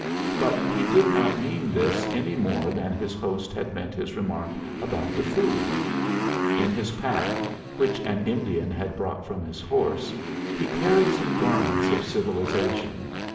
But he did not mean this any more than his host had meant his remark about the food. In his pack, which an Indian had brought from his horse, he carried some garments of civilization.